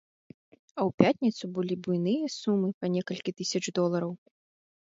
А ў пятніцу былі буйныя сумы па некалькі тысяч долараў.